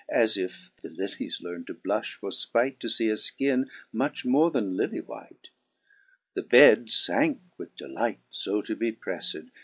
As if the lillies learnt to blufh, for fpight To fee a fkinne much more then lilly white : The bed fanke with delight fo to be preffed.